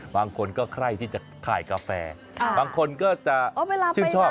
บางคนก็ใครที่จะขายกาแฟบางคนก็จะชื่นชอบ